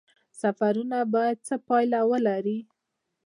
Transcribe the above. سفرونه باید څه پایله ولري؟